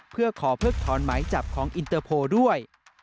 เพื่อขอเพิกถอนหมายจับของอินเตอร์โพลด้วย